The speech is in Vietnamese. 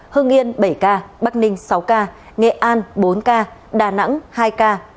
hưng yên bảy ca bắc ninh sáu ca nghệ an bốn ca đà nẵng hai ca